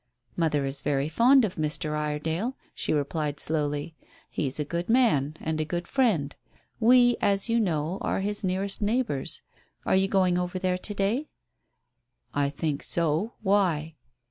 "Mother is very fond of Mr. Iredale," she replied slowly. "He is a good man, and a good friend. We, as you know, are his nearest neighbours. Are you going over there to day?" "I think so. Why?"